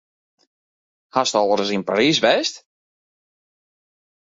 Hast al ris yn Parys west?